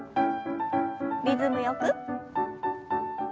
リズムよく。